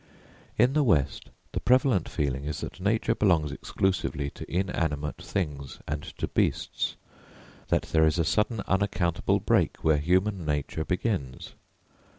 In the west the prevalent feeling is that nature belongs exclusively to inanimate things and to beasts, that there is a sudden unaccountable break where human nature begins.